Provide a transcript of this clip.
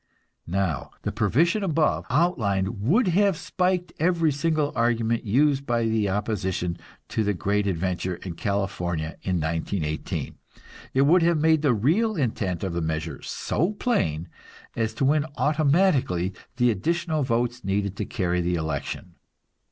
Now, the provision above outlined would have spiked every single argument used by the opposition to the "Great Adventure" in California in 1918; it would have made the real intent of the measure so plain as to win automatically the additional votes needed to carry the election.